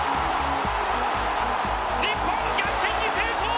日本逆転に成功！